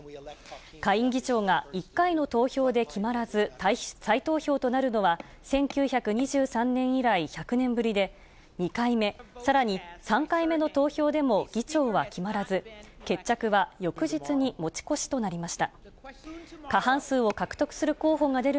下院議長が１回の投票で決まらず、再投票となるのは、１９２３年以来１００年ぶりで、２回目、さらに３回目の投票でも、議長は決まらず、決着は翌日に持ち越しとなりました。